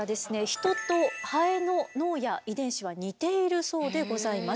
ヒトとハエの脳や遺伝子は似ているそうでございます。